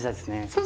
そう。